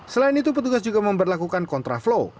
selain itu petugas juga memperlakukan kontraflow